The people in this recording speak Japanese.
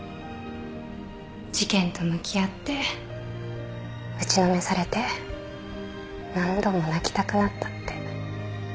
事件と向き合って打ちのめされて何度も泣きたくなったって。